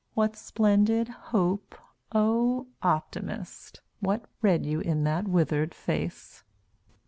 What splendid hope? O Optimist! What read you in that withered face?